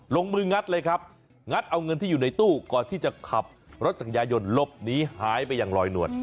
ลงมืองัดเลยครับงัดเอาเงินที่อยู่ในตู้ก่อนที่จะขับรถจักรยานยนต์หลบหนีหายไปอย่างลอยนวล